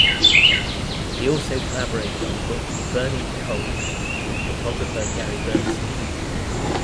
He also collaborated on the book "Burning Cold" with photographer Gary Bernstein.